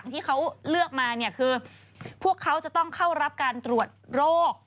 ที่เขาเลือกมาเนี่ยคือพวกเขาจะต้องเข้ารับการตรวจโรค